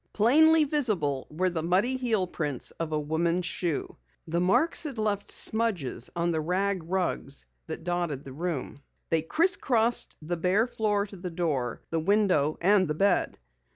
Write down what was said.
Plainly visible were the muddy heelprints of a woman's shoe. The marks had left smudges on the rag rugs which dotted the room; they crisscrossed the bare floor to the door, the window and the bed.